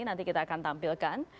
nanti kita akan tampilkan